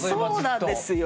そうなんですよ！